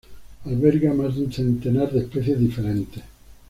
Alberga más de un centenar de especies diferentes.